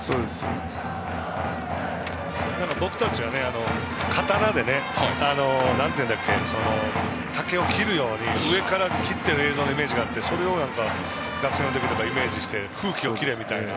僕たちは刀で竹を切るように上から切っている映像のイメージがあってそれを打線の時にはイメージして空気を切れみたいな。